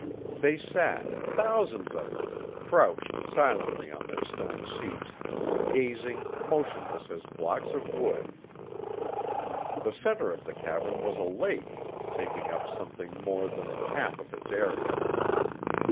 They sat, thousands of them, crouched silently on their stone seats, gazing, motionless as blocks of wood. The center of the cavern was a lake, taking up something more than half of its area.